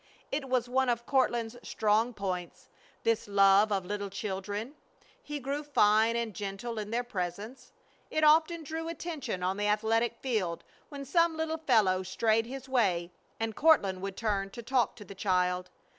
It was one of Courtland's strong points, this love of little children. He grew fine and gentle in their presence. It often drew attention on the athletic field when some little fellow strayed his way and Courtland would turn to talk to the child.